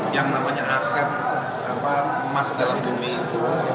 yang namanya aset emas dalam bumi itu